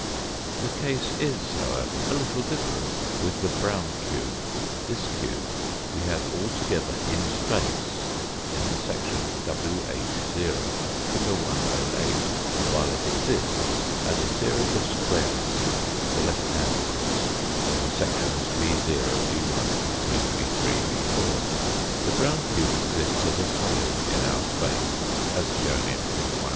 The case is, however, a little different with the brown cube. This cube we have altogether in space in the section ivh 6 , fig. 108, while it exists as a series of squares, the left hand ones, in the sections &<>, b u b& 6 3 , 6 4 . The brown cube exists as a solid in our space, as shown in fig. 108.